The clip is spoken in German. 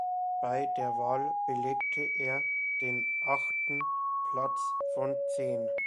Bei der Wahl belegte er den achten Platz von zehn.